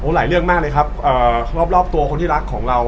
หลายเรื่องมากเลยครับรอบตัวคนที่รักของเรา